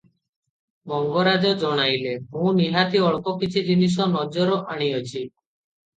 ମଙ୍ଗରାଜ ଜଣାଇଲେ, "ମୁଁ ନିହାତି ଅଳ୍ପ କିଛି ଜିନିଷ ନଜର ଆଣିଅଛି ।"